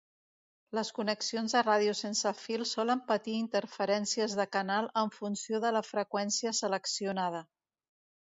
Les connexions de ràdio sense fil solen patir interferències de canal en funció de la freqüència seleccionada.